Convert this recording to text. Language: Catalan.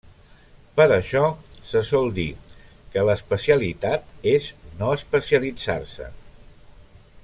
Per això se sol dir que l'especialitat és no especialitzar-se.